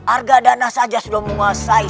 harga dana saja sudah menguasai